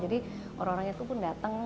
jadi orang orang itu pun datang